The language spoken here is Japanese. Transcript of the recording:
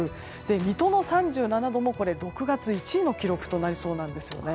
水戸の３７度も６月１位の記録となりそうなんです。